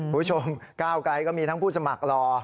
ผู้ชมก้าวไกรก็มีทั้งผู้สมัครหล่อ